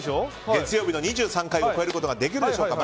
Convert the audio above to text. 月曜日の２３回を超えることができるでしょうか。